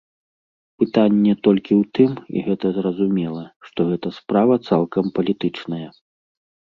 Пытанне толькі ў тым, і гэта зразумела, што гэта справа цалкам палітычная.